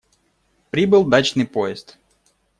Прибыл дачный поезд.